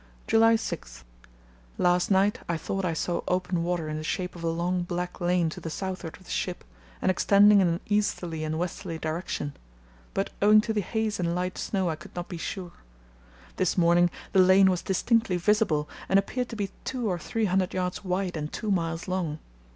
"July 6.—Last night I thought I saw open water in the shape of a long black lane to the southward of the ship and extending in an easterly and westerly direction, but owing to the haze and light snow I could not be sure; this morning the lane was distinctly visible and appeared to be two or three hundred yards wide and two miles long....